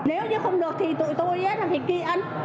nếu như không được thì tụi tôi thì kỳ ân